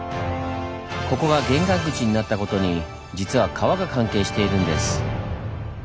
ここが玄関口になったことに実は川が関係しているんです。